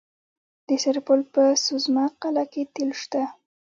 د سرپل په سوزمه قلعه کې تیل شته.